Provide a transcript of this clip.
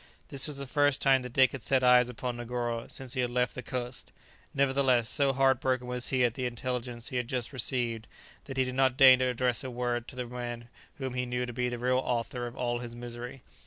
This was the first time that Dick had set eyes upon Negoro since he had left the coast; nevertheless, so heartbroken was he at the intelligence he had just received, that he did not deign to address a word to the man whom he knew to be the real author of all his misery.